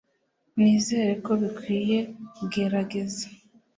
Nizera ko bikwiye kugerageza